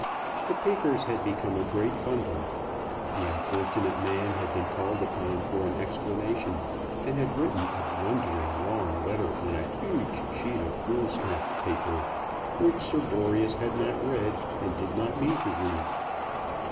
The papers had become a great bundle. The unfortunate man had been called upon for an explanation, and had written a blundering long letter on a huge sheet of foolscap paper, which Sir Boreas had not read, and did not mean to read.